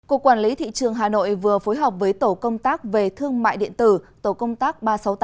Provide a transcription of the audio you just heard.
cục quản lý thị trường hà nội vừa phối hợp với tổ công tác về thương mại điện tử tổ công tác ba trăm sáu mươi tám